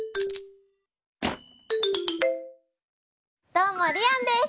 どうもりあんです！